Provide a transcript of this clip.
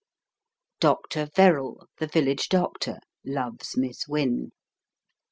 Doctor Verrall, the village doctor, loves Miss Wynne.